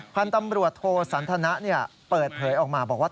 พันธมรวดโทรสันทนะเปิดเหยออกมาบอกว่า